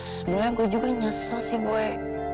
sebenernya gue juga nyesel sih boy